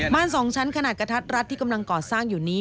สองชั้นขนาดกระทัดรัดที่กำลังก่อสร้างอยู่นี้